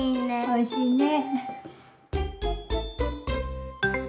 おいしいね。